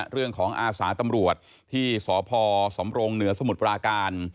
เรื่องของอาสาตำรวจที่สศสมรงค์เนื้อสมุทรปราการ